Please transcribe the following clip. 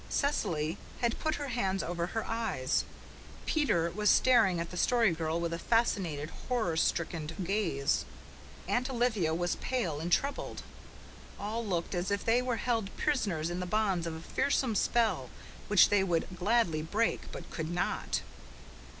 Cecily had put her hands over her eyes. Peter was staring at the Story Girl with a fascinated, horror strickened gaze. Aunt Olivia was pale and troubled. All looked as if they were held prisoners in the bonds of a fearsome spell which they would gladly break but could not.